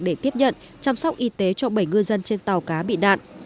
để tiếp nhận chăm sóc y tế cho bảy ngư dân trên tàu cá bị nạn